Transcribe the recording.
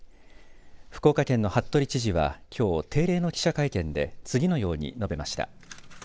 福岡県の服部知事は、きょう定例の記者会見で次のように述べました。